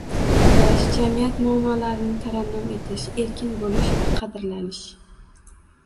kuylash, jamiyat muammolarini tarannum etish, erkin bo‘lish va qadrlanish